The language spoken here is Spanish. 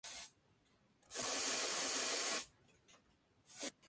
Durante la estación seca, las sequías atacan la parte central superior de la isla.